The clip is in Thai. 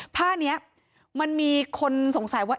ผ้านี้มันมีคนสงสัยว่า